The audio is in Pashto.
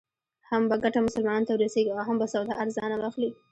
هم به ګټه مسلمانانو ته ورسېږي او هم به سودا ارزانه واخلې.